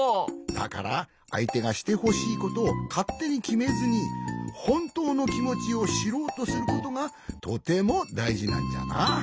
だからあいてがしてほしいことをかってにきめずにほんとうのきもちをしろうとすることがとてもだいじなんじゃな。